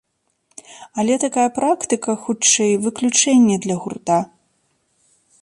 Але такая практыка, хутчэй, выключэнне для гурта.